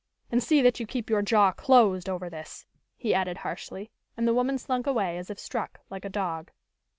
And see that you keep your jaw closed over this," he added harshly. And the woman slunk away as if struck, like a dog.